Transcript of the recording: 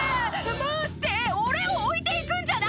「待って俺を置いていくんじゃない！」